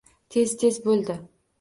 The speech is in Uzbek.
Tez-tez bo‘ldi.